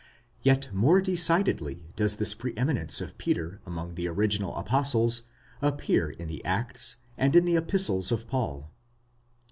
Yet more decidedly does this pre eminence of Peter among the original apostles appear in the Acts, and in the Epistles of Paul.